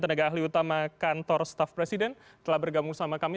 tenaga ahli utama kantor staff presiden telah bergabung sama kami